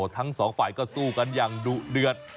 ทั้งสองฝ่ายก็สู้กันอย่างดุเดือด